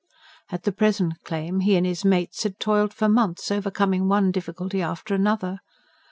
At the present claim he and his mates had toiled for months, overcoming one difficulty after another.